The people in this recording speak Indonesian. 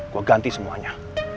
gue ganti semuanya